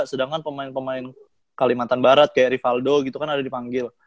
sedangkan pemain pemain kalimantan barat kayak rivaldo gitu kan ada dipanggil